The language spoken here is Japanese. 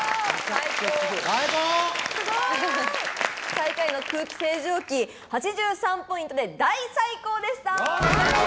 最下位の空気清浄機８３ポイントで大最高でした！